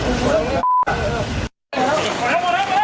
ไป